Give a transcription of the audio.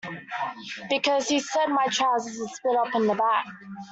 Because he said my trousers would split up the back.